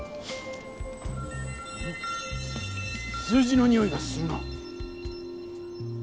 数字のにおいがするな。